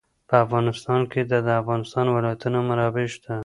په افغانستان کې د د افغانستان ولايتونه منابع شته.